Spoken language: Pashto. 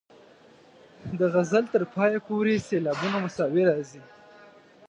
د غزل تر پایه پورې سېلابونه مساوي راځي.